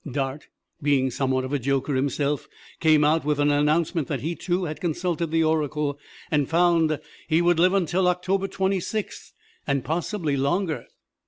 Dart, being somewhat of a joker himself, came out with an announcement that he, too, had consulted the oracle, and found he would live until October Twenty sixth, and possibly longer.